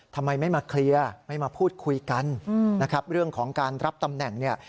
ทำไมไม่มาเคลียร์ไม่มาพูดคุยกันนะครับเรื่องของการรับตำแหน่งเนี่ย